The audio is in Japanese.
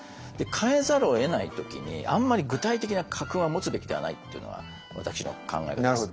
変えざるをえない時にあんまり具体的な家訓は持つべきではないっていうのは私の考え方です。